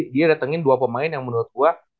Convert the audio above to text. dia datengin dua pemain yang menurut gue